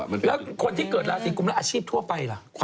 แล้วคนที่เกิดราศีกุมแล้วอาชีพทั่วไปล่ะ